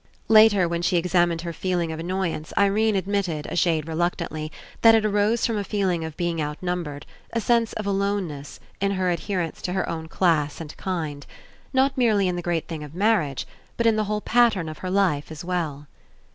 Later, when she examined her feeHng of annoyance, Irene admitted, a shade reluc tantly, that it arose from a feeling of being out numbered, a sense of aloneness, in her adher ence to her own class and kind; not merely in the great thing of marriage, but in the whole pattern of her life as well.